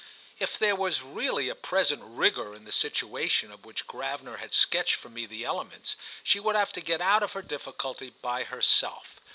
If there was really a present rigour in the situation of which Gravener had sketched for me the elements, she would have to get out of her difficulty by herself.